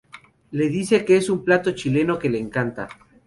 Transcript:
Le dice que es un plato chileno que le encanta.